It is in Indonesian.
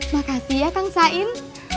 makasih ya kang sain